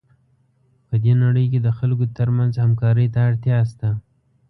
په دې نړۍ کې د خلکو ترمنځ همکارۍ ته اړتیا شته.